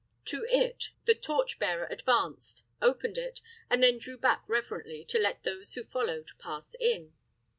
To it the torch bearer advanced, opened it, and then drew back reverently to let those who followed pass in.